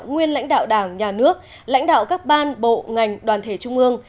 nguyên lãnh đạo đảng nhà nước lãnh đạo các ban bộ ngành đoàn thể trung ương